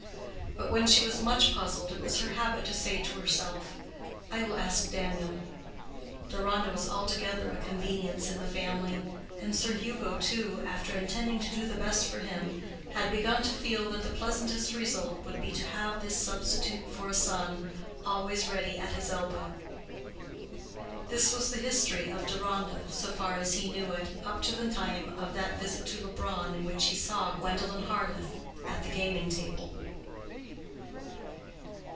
But when she was much puzzled, it was her habit to say to herself, "I will ask Daniel." Deronda was altogether a convenience in the family; and Sir Hugo too, after intending to do the best for him, had begun to feel that the pleasantest result would be to have this substitute for a son always ready at his elbow. This was the history of Deronda, so far as he knew it, up to the time of that visit to Leubronn in which he saw Gwendolen Harleth at the gaming table.